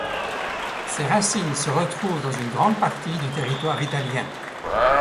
Ses racines se retrouvent dans une grande partie du territoire italien.